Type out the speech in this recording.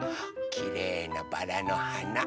きれいなバラのはな。